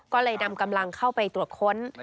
ก็เลยนำกำลังเข้าไปตรวจค้น